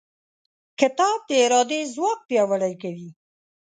کتاب د ارادې ځواک پیاوړی کوي.